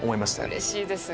うれしいです。